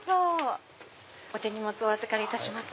お手荷物お預かりいたします。